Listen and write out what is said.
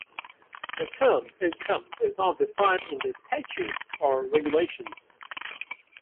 The term "income" is not defined in the statute or regulations.